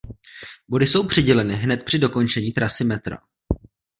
Body jsou přiděleny hned při dokončení trasy metra.